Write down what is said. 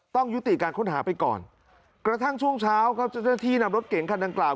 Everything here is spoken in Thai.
ต้องยุติการค้นหาไปก่อนกระทั่งช่วงเช้าครับเจ้าหน้าที่นำรถเก๋งคันดังกล่าว